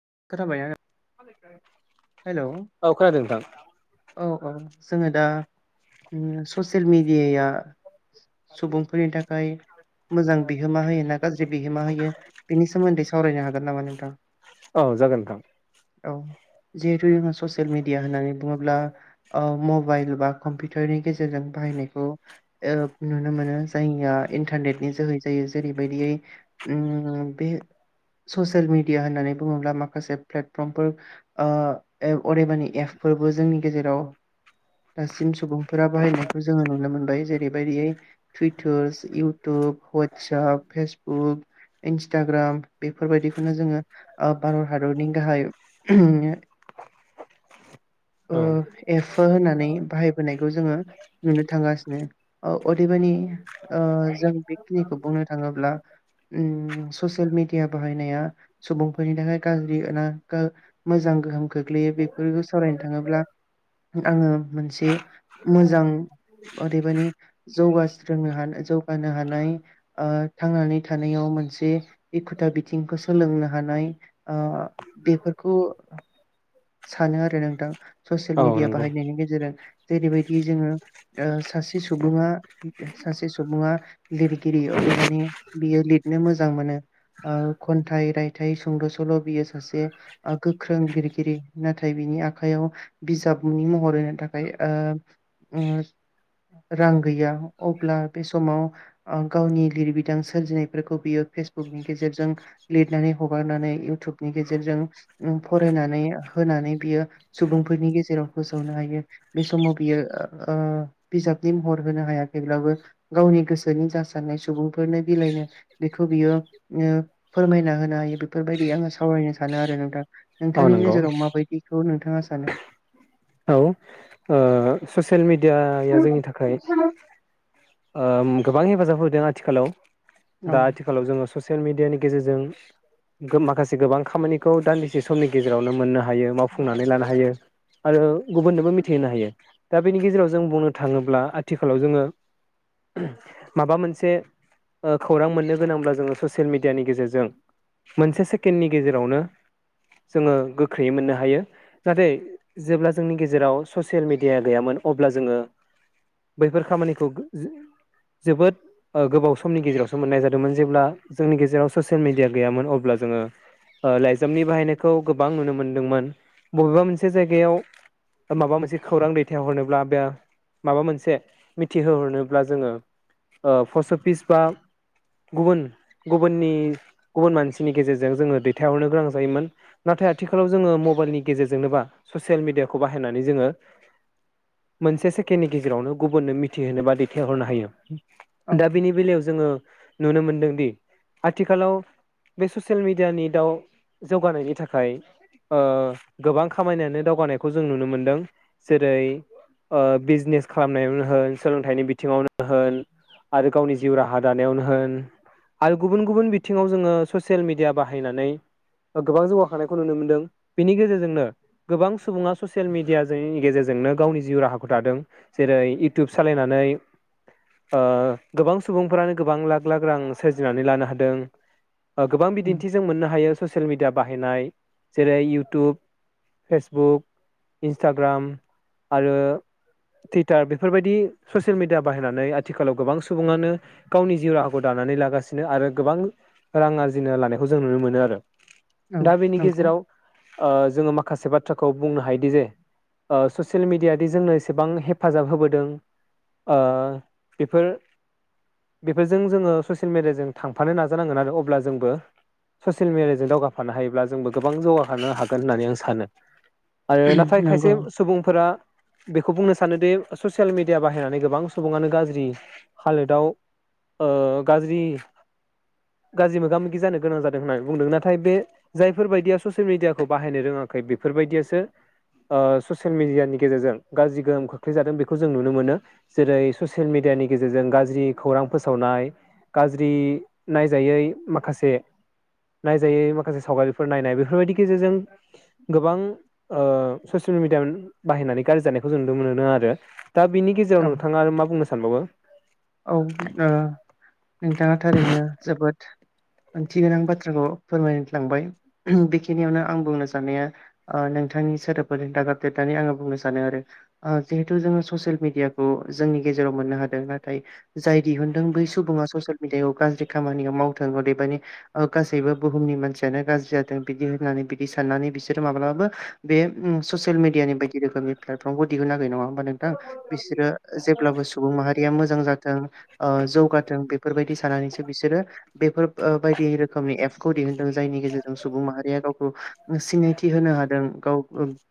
[unintelligible] [unintelligible] औ खोनादों नोंथां। औ-औ जोङो दा ससियेल मेडियाया। सुबुंफोरनि थाखाय मोजां बिहोमा होयो ना गाज्रि बिहोमा होयो बेनि सोमोन्दै सावरायनो हागोन नामा नोंथां। औ जागोन नोंथां औ। जिहेतु जोंङो ससियेल मिडिया होननानै बुङोब्ला मबाइल बा कम्पिउटारनि गेजेरजों बाहायनायखौ ओ नुनो मोनो जायया इन्टारनेटनि जोहै जायो जेरैबायदियै उम बे ससियेल मिडिया होननानै बुङोब्ला माखासे प्लेटफर्मफोर। ओ ए अदेबानि एपफोरबो जोंनि गेजेराव। दासिम सुबुंफोरा बाहायनायखौ जोङो नुनो मोनो। बाय जेरैबायदियै Twitter, YouTube, WhatsApp, Facebook, Instagram बेफोरबायदिखौनो जोङो। अ भारत हादोरनि गाहाय [unintelligible] औ एफ होननानै बाहायबोनायखौ जोङो नुनो थांगासिनो अदेबानि जों बेखिनिखौ बुंनो थाङोब्ला ससियेल मेडिया बाहायनाया सुबुंफोरनि थाखाय गाज्रिा मोजां गोहोम खोख्लैयो बे सावरायनो थाखाय थाङोब्ला आङो मोनसे मोजां ओरैबानि जौगास्रोंनो हानाय जौगानो हानाय थांनानै थानायाव मोनसे एखुथा बिथिंखौ सोलोंनो हानाय बेफोरखौ सानो आरो नोंथां ससियेल औ मिडिया नंगौ बाहायनायनि गेजेरजों जेरैबायदि जोङो सासे सुबुङा सासे सुबुङा लिरगिरि अदेबानि बियो लिरनो मोजां मोनो खन्थाइ रायथाइ सुंद' सल' बियो सासे गोख्रों लिरगिरि नाथाय बिनि आखाइयाव बिजाबनि महर होनो थाखाय रां गैया अब्ला बे समाव गावनि लिरबिदां सोरजिनायफोरखौ बियो फेसबुकनि गेजेरजों लिरनानै हगारनानै इउटुबनि गेजेरजों फरायनानै होनानै बियो सुबुंफोरनि गेजेराव फोसावनो हायो बे समाव बियो बिजाबनि महर होनो हायाखैब्लाबो गावनि गोसोनि जा साननाय सुबुंफोरनो बिलाइनो बेखौ बियो फोरमायना होनो हायो बेफोरबायदि आङो सावरायनो सानो आरो नोंथां औ नोंथांनि नंगौ नोजोराव मा खौ नोंथाङा सानो औ ससियेल मिड दियाया जोंनि थाखाय गोबां हेफाजाब होदों आथिखालाव औ दा आथिखालाव जोङो ससियेल मेडिया मिडयानि गेजेरजों माखासे गोबां खामानिखौ दान्दिसे समनि गेजेरावनो मोननो हायो मावफुंनानै लानो हायो आरो गुबुननोबो मिथिहोनो हायो दा बेनि गेजेराव जों बुंनो थाङोब्ला आथिखालाव जोङो माबा मोनसे खौरां मोननो गोनांब्ला जोङो ससियेल मिेडियानि गेजेरजों मोनसे सेकेणडनि गेजेरावनो जोङो गोख्रैयै मोननो हायो नाे जेब्ला जोंनि गेजेराव ससियेल मेडिया गैयामोन अब्ला जोङो बैफोर खामानिखौ जोबोद गोबाव समनि गेजेरावसो मोननाय जादोंमोन जेब्ला जोंनि गेजेराव ससियेल मेडिया गैयामोन अब्ला जोङो लाइजामनि बाहायनायखौ गोबां नुनो मोनदोंमोन बबेबा मोनसे जायगायाव जायगायाव माबा मोनसे खौरां दैथायहरनोब्ला बे माबा मोनसे मिथिहोहरनोब्ला जोङो पस्ट अफिस बा गुबुन गुबुननि गुबुन मानसिनि गेजेरजों जोङो दैथायहरनो गोनां जायोमोन नाथाय आथिखालाव जोङो मबाइलनि गेजेरजोंनोबा ससियेल मिडियाखौ बाहायनानै जोङो मोनसे सेकेणडनि गेजेरावनो गुबुननो मिथिहोनो बा दैथायहरनो हायो औ दा बेनि बेलायाव जोङो नुनो मोनदोंदि आथिखालाव बे ससियेल मिडियानि दउ जौगानायनि थाखाय गोबां खामानियानो दावगानायखौ जों नुनो मोनदों जेरै बिजनेस खालामनायावनो होन सोलोंथाइनि बिथिङावनो होन आरो गावनि जिउ राहा दानायावनो होन आरो गुबुन गुबुन बिथिङाव जोंङो ससियेल मिडिया बाहायनानै गोबां जौगाखांनायखौ नुनो मोनदों बिनि गेजेरजोंनो गोबां सुबुङा ससियेल मेडिया जोंनि गेजेरजोंनो गावनि जिउ राहाखौ थादों जेरै इउटुब सालायनानै गोबां सुबुंफोरानो गोबां लाख लाख रां सोरजिनानै लानो हादों गोबां उम बिदिन्थिजों मोननो हायो ससियेल मिडिया बाहायनाय जेरै इउटुब फेसबुक इन्सटाग्राम आरो टुइटार बेफोरबायदि ससियेल मिडिया बाहायनानै आथिखालाव गोबां सुबुंङानो गावनि जिउ राहाखौ दानानै लागासिनो आरो गोबां रां आरजिनो लानायखौ जों नुनो मोनो आरो औ दा बेनि नंगौ गेजेराव जोंङो माखासे माखासे बाथ्राखौ बुंनो हायोदि जे ससियेल मेडियादि जोंनो एसेबां हेफाजाब होबोदों ओ बेफोर बेफोरजों जोंङो ससियेल मिडियाजों थांफानो नाजानांगोन आरो अब्ला जोंबो ससियेल मिडियाजों दावगाफानो हायोब्ला जोंबो गोबां जौगाखानो हागोन होननानै आं स सानो आरो नाथाय खायसे नंगौ सुबुंफोरा बेखौ बुंनो सानोदि ससियेल मिडिया बाहायनानै गोबां सुबुङानो गाज्रि हालोदाव ओ गाज्रि गाज्रि मोगा मोगि जानो गोनां जादों होननानै बुंदों नाथाय बे जायफोरबायायदिया ससियेल मेडियाखौ बाहायनो रोंङाखै बेफोरबायदियासो ससियेल मेडियानि गेजेरजों गाज्रि गोहोम खोख्लैजादों बेखौ जों नुनो मोनो जेरै ससियेल मेडियानि गेजेरजों गाज्रि खौरां फोसावनाय गाज्रि नायजायै माखासे नायजायै माखासे सावगारिफोर नायनाय बेफोरबायदि गेजेरजों गोबां ससियेल मिडिया बाहायनानै गाज्रि जानायखौ जों नुनो मोनो आरो दा बिनि गेजेराव औ नोंथाङा आरो मा बुंनो सानबाबो? औ ओ नोंथाङा थारैनो जोबोद ओंथि गोनां बाथ्राखौ फोरमायलांबाय बेखिनियावनो आं बुंनो साननाया नोंथांनि सोदोबफोरजों दागाबदेरनानै आंङो बुंनो सानो आरो जिहेथु जोंङो ससियेल मिडियाखौ जोंनि गेजेराव मोननो हादों नाथाय नाथाय जाय दिहुनदों बै सुबुङा ससियेल मिडियाखौ गाज्रि खामानियाव मावथों अदेबानि गासैबो बुहुमनि मानसियानो गाज्रि जाथों बिदि होननानै बिदि साननानै बिसोरो माब्लाबाबो बे ससियेल मिडियानि बायदि रोखोमनि प्लेटफर्मखौ दिहुननो हागायो नङा होमबा नोंथां बिसोरो जेब्लाबो सुबुं माहारिया मोजां थों जौगाथों बेफोरबायदि सानानैसो बिसोरो बेफोर बायदि रोखोमनि एपखौ दिहुनदों जायनि गेजेरजों सुबुं माहारिया गावखौ सिनायथि होनो हादों गाव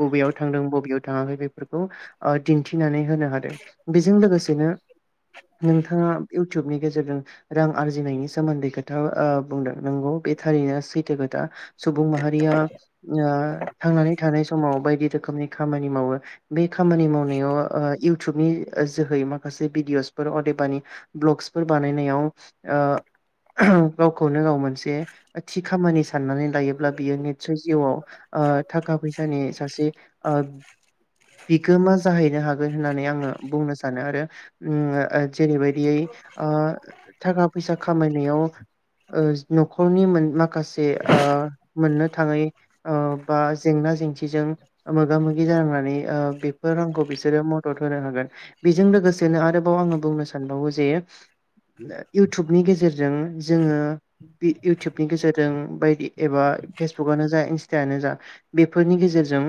बबेयाव थांदों बबेयाव थाङाखै बेफोरखौ दिन्थिनानै होनो हादों बेजों लोगोसेनो नोंथाङा इउटुबनि गेजेरजों रां आरजिनायनि सोमोन्दै खोथा बुंदों नंगौ बे थारैनो सैथो खोथा सुबुं माहारिया थांनानै थानाय समाव बायदि रोखोमनि खामानि मावो बे खामानि मावनायाव इउटुबनि जोहै माखासे भिदिअस अदेबानि ब्लगसफोर बानायनायाव ओ उम गावखौनो गाव मोनसे थि खामानि साननानै लायोब्ला बियो निसय जिउआव थाखा फैसानि ओ सासे बिगोमा जाहैनो हागोन होननानै आंङो बुंनो सानो आरो जेरैबायदियै ओ थाखा फैसा खामायनायाव ओ न'खरनि मोन माखासे ओ मोननो थाङै ओ बा जेंना जेंसिजों मोगा मोगि जानांनानै ओ बेफोर रांखौ बिसोरो मदद होनो हागोन बेजों लोगोसेनो आरोबाव आङो बुंनो सानबावो जे इउटुबनि गेजेरजों जोङो इउटुबनि गेजेरजों बायदि एबा फेसबुकनो जा इन्स्टानो जा बेफोरनि गेजेरजों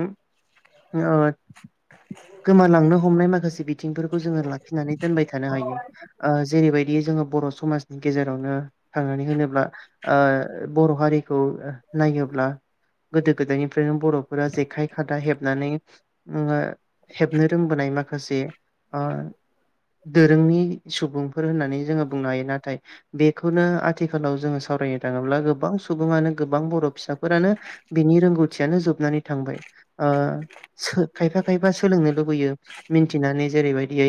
गोमालांनो हमनाय माखासे बिथिंफोरखौ जोङो लाखिनानै दोनबाय थानो हायो ओ जेरैबायदि जोंङो बर' समाजनि गेजेरावनो थांनानै होनोब्ला ओ बर' हारिखौ नायोब्ला गोदो गोदायनिफ्रायनो बर' जेखाइ खादा हेबनानै हेबनो रोंबोनाय माखासे दोरोंनि सुबुंफोर होननानै जोंङो बुंनो हायो नाथाय बेखौनो आथिखालाव जोंङो सावरायनो थाङोब्ला गोबां सुबुङानो गोबां बर' फिसाफोरानो बिनि रोंगौथियानो जोबनानै थांबाय ओ खायफा खायफा सोलोंनो लुबैयो मिथिनानै जेरैबायदियै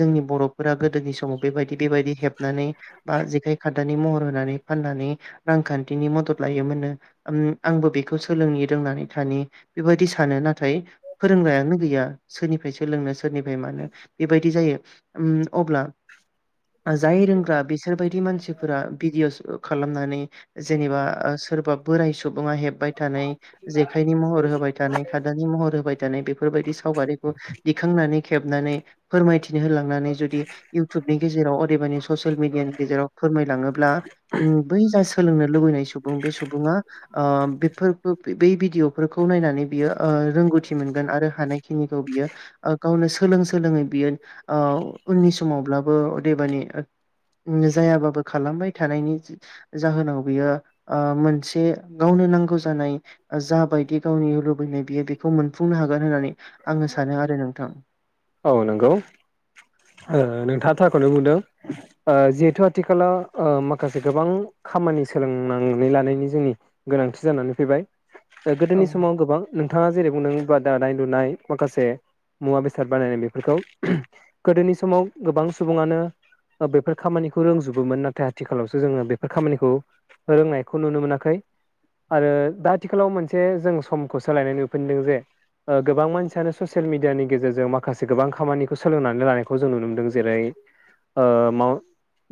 जोंनि बर'फोरा गोदोनि समाव बेबायदि बेबायदि हेबनानै बा जेखाइ खादनानै महर होनानै फाननानै रांखान्थिनि मदद लायोमोनो आंबो बेखौ सोलोंनो रोंनानै थानि बेबायदि सानो नाथाय फोरोंलायानो गैया सोरनिफ्राय सोलोंनो सोरनिफ्राय मानो बेबायदि जायो। उम। अब्ला जाय रोंग्रा बिसोरबायदि मानसिफोरा भिडिअ'स खालामनानै जेनेबा सोरबा बोराय सुबुंआ हेबबाय थानाय जेखायनि महर होबाय थानाय खादानि महर होबाय थानाय बेफोरबायदि सावगारिखौ दिखांनानै खेबनानै फोरमायथिनो हो नानै जुदि इउटुबनि गेजेराव अदेबानि ससियेल मिडियानि गेजेराव फोरमायलाङोब्ला बै जा सोलोंनो लुबैनाय सुबुं बे सुबुङा बेफोरखौ बै भिदिअ'फोरखौ नायनानै बियोओ रोंगौथि मोनगोन आरो हानायखिनिखौ बियो गावनो सोलों सोलोङै बियो औ उननि समावब्लाबो अदेबानि जायाबाबो खालामबाय थानायनि जाहोनाव बियो ओ मोनसे गावनो नांगौ जानाय जााबायदि गावनि लुबैनाय बियो बेखौ मोनफुंनो हागोन होननानै आंङो सानो आरो नोंथां। औ नंगौ। नोंथाङा थाखाखौनो बुंदों जिहेथु आथिखालाव माखासे गोबां खामानि सोलोंनानै लानायनि जोंनि गोनांथि जानानै फैबाय औ गोदोनि समाव गोबां नों नोंथाङा जेरै बुंनोोबा दानाय लुनाय माखासे मुवा बेसाद बानायनाय बेफोरखौ गोदोनि समाव गोबां सुबुङानो बेफोर खामानिखौ रोंजोबोमोन नाथाय आथिखालावसो जोङो बेफोर खामानिखौ रोंनायखौ नुनो मोनाखै आरो दा आथिखालाव मोनसे जों समखौ सोलायनाय नुफिनदों जे गोबां मानसियानो ससियेल मिडियानि गेजेरजों माखासे गोबां खामानिखौ सोलोंनानै लानायखौ जों नुनो मोनदों जेरै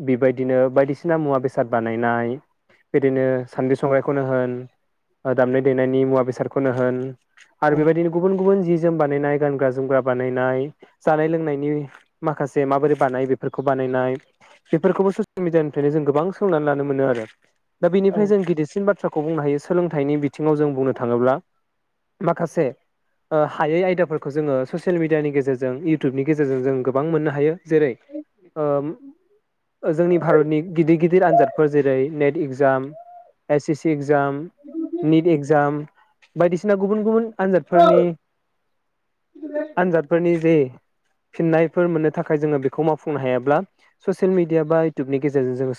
बेबायदिनो बायदिसिना मुवा बेसाद बानायनाय बिदिनो सान्द्रि संग्राइखौनो होन दामनाय देनायनि मुवा बेसादखौनो होन आरो औ बेबायदिनो गुबुन गुबुन जि जोम बानाय [unintelligible] जोमग्रा बानायनाय जानाय लोंनायनि माखासे माबोरै बानाय बेफोरखौ बानायनाय बेफोरखौबो ससियेल मिडियानिफ्रायनो जों गोबां सोलोंनानै लानो मोनो आरो दा औ बेनिफ्राय जों गिदिरसिन बाथ्राखौ बुंनो हायो सोलोंथाइनि बिथिङाव जों बुंनो थाङोब्ला माखासे हायै आयदाफोरखौ जोङो ससियेल मिेडियानि गेजेरजों इयउटुबनि गेजेरजों जों गोबां मोननो हायो जेरै ओ जोंनि भारतनि गिदिर गिदिर आनजादफोर जेरै NET exam S S C exam NEET exam बायदिसिना गुबुन गुबुन गुबुन आनजादफोरनि आनजादफोरनि जे फिननायफोर मोननो थाखाय जोंङो बेखौ मावफुंनो हायाबा ससियेल मिडिया एबा इउटुबनि गेजेरजों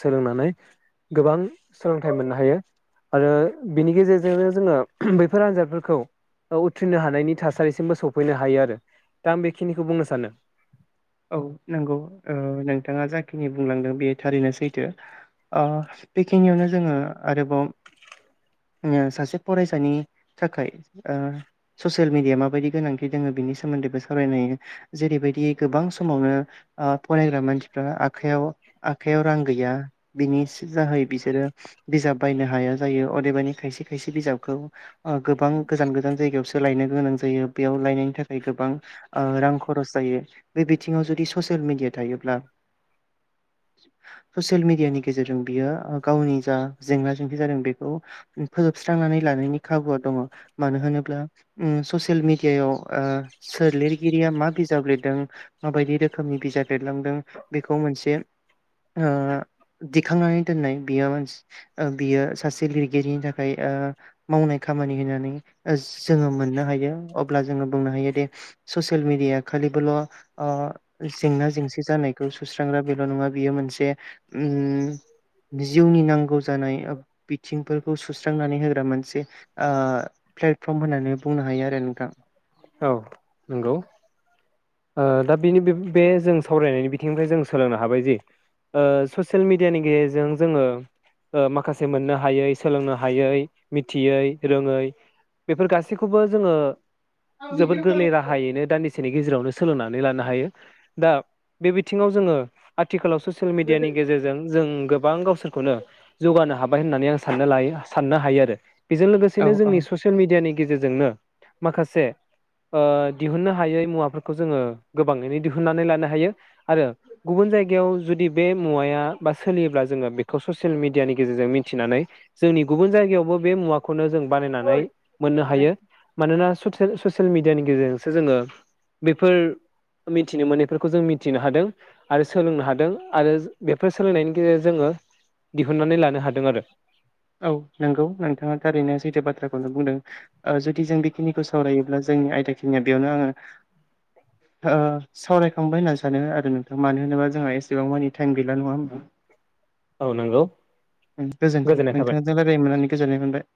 जोङो सो फैनो हायो आरो दा आं बेखिनिखौ बुंनो सानो औ नंगौ ओ नोंथाङा जाखिनि बुंलांदों बेयो थारैनो सैथो बेखिनियावनो जोङो आरोबाव ओ सासे फरायसानि थाखाय ओ ससियेल मिडियाया माबायदि गोनांथि दङ बिनि सोमोन्दैबो सावरायनाय जेरैबायदि गोबां समावनो आ फरायग्रा मानसिफ्रा आखायाव आखाइयाव रां गैया बिनि सिजाहै बिसोरो बिजाब बायनो हाया जायो अदेबानि खायसे खायसे बिजाबखौ गोबां गोजान गोजान जायगायावसो लायनो गोनां जायो बेयाव लायनायनि थाखाय गोबां रां खरस जायो बे बिथिङाव जुदि ससियेल मिेडिया थायोब्ला ससियेल मिेडियानि गेजेरजों बियो गावनि जा जेंना जेंसि जादों बेखौ फोजोबस्रांनानै लानायनि खाबुआ दङ मानो होनोब्ला उम ससियेल मिेडियायाव आ सोर लिरगिरिया मा बिजाब लिरदों माबायदि रोखोमनि बिजाब लेरलांदों बेखौ मोनसे आ दिखांनानै दोननाय बियो बियो सासे लिरगिरिनि थाखाय मावनाय खामानि होननानै जोङो मोननो हायो अब्ला जोङो बुंनो हायोदि ससियेल मिेडियाया खालिबोल' अ जेंना जेंसि जानायखौ सुस्रांग्रा बेल' नङा बियो मोनसे उम जिउनि नांगौ जानाय बिथिंफोरखौ सुस्रांनानै होग्रा मोनसे आ प्लेटफर्म होननानै बुंनो हायो आरो नोंथां औ नंगौ दा बेनि बे जों सावरायनायनि बिथिंनिफ्राय जों सोलोंनो हाबाय जि ओ ससियेल मिेडियानि गेजेरजों जोङो माखासे मोननो हायै सोलोंनो हायै मिथियै रोङै बेफोर गासैखौबो जोङो जोबोद गोरलै राहायैनो दानैसेनि गेजेरावनो सोलोंनानै लानो हायो दा बे बिथिङाव जोङो आथिखालाव ससियेल मिडियानि गेजेरजों जों गोबां गावसोरखौनो जौगानो हाबाय होननानै आं साननो लायो साननो हायो आरो बेजों लोगोसेनो औ जोंनि औ ससियेल मिडियानि गेजेरजोंनो माखासे ओ दिहुननो हायै मुवाफोरखौ खौ जोङो गोबाङैनो दिहुननानै लानो हायो आरो गुबुन जायगायाव जुदि बे मुवाया बा सोलियोब्ला जोङो बेखौ ससियेल मिडियानि गेजेरजों मिथिनानै जोंनि गुबुन जायगायावबो बे मुवाखौनो जों बानायनानै मोननो हायो मानोना सुसेल ससियेल मिडियानि गेजेरजोंसो जोङो बेफोर मिथिनो मोननायफोरखौ जों मिथिनो हादों आरो सोलोंनो हादों आरो बेफोर सोलोंनायनि गेजेरजों जोङो दिहुननानै लानो हादों आरो औ नंगौ नोंथाङा थारैनो सैथो बाथ्राखौनो बुंदों ओ जुदि जों बेखिनिखौ सावरायोब्ला जोंनि आयदा खिनिया बेयावनो आङो सावरायखांबाय होननानै सानो आरो नोंथाङा मानो होनोबा जोंहा एसेबां मानि टाइम गैला नङा होमा औ नंगौ गोजोन्थों गोजोन नोंथांजों रायलाय मोननानै गोजोननाय मोनबाय